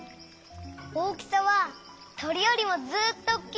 大きさはとりよりもずっとおっきいんだ！